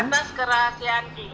etas kerahsiaan pingin